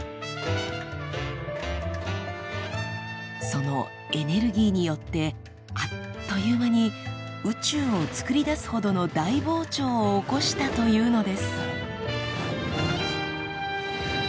そのエネルギーによってあっという間に宇宙をつくり出すほどの大膨張を起こしたというのです。